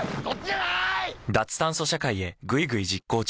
脱炭素社会へぐいぐい実行中。